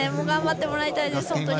頑張ってもらいたいですね。